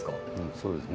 そうですね。